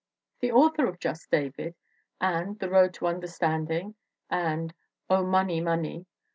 ... The author of Just David and The Road to Un derstanding and Oh, Money! Money!